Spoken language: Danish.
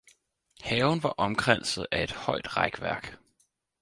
Haven var omkranset af et højt rækværk.